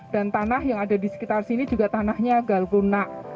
dan tanah yang ada di sekitar sini juga tanahnya galrunak